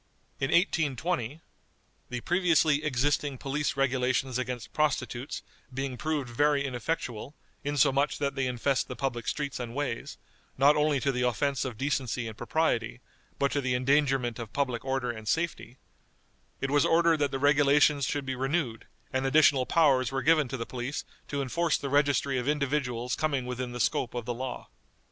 In 1820, "the previously existing police regulations against prostitutes being proved very ineffectual, insomuch that they infest the public streets and ways, not only to the offense of decency and propriety, but to the endangerment of public order and safety," it was ordered that the regulations should be renewed, and additional powers were given to the police to enforce the registry of individuals coming within the scope of the law.